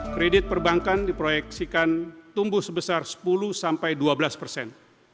kredit perbankan diproyeksikan tumbuh sebesar sepuluh sampai dua belas persen